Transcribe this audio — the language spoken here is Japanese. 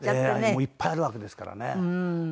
もういっぱいあるわけですからね。